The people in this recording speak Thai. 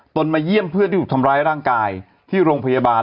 มาเยี่ยมเพื่อนที่ถูกทำร้ายร่างกายที่โรงพยาบาล